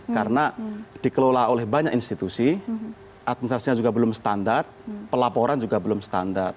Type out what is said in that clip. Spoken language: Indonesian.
karena dikelola oleh banyak institusi administrasinya juga belum standar pelaporan juga belum standar